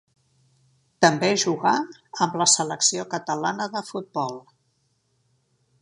També jugà amb la selecció catalana de futbol.